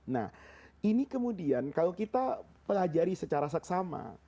nah ini kemudian kalau kita pelajari secara seksama